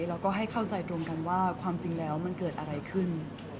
แล้วก็ให้เข้าใจตรงกันว่าความจริงแล้วมันเกิดอะไรขึ้น